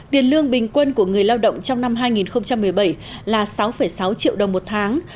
tiền lương bình quân của người lao động trong năm hai nghìn một mươi bảy là sáu sáu triệu đồng một tháng